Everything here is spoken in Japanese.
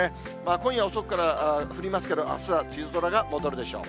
今夜遅くから降りますけど、あすは梅雨空が戻るでしょう。